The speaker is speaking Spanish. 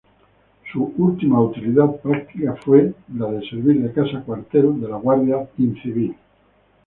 Su última utilidad práctica fue la de servir de casa-cuartel de la Guardia Civil.